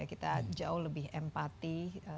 kita jauh lebih empati